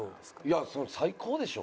いや最高でしょ。